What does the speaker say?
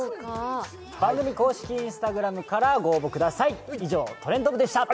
番組公式Ｉｎｓｔａｇｒａｍからご応募ください。